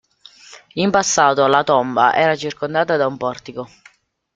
In passato la tomba era circondata da un portico.